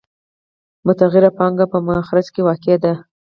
متغیره پانګه په مخرج کې واقع ده